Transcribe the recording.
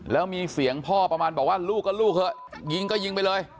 แล้วมีเสียงพ่อประมาณบอกว่าลูกก็ลูกเถอะยิงก็ยิงไปเลย